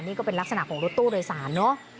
นี่ก็เป็นลักษณะของรถตู้โดยสารเนอะ